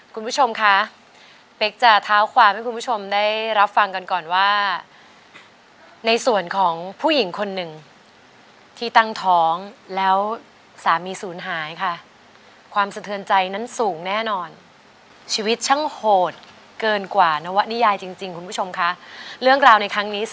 คุณผู้ชมคะส่วนของผู้หญิงคนนึงที่ตั้งท้องแล้วสามีสูญหายค่ะความเสริมใจนั้นสูงแน่นอนชีวิตชั้งโหดเกินกว่านะวะนิยายกับมุมรื่องดาวในครั้งนี้